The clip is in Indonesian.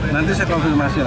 nanti saya konfirmasi lagi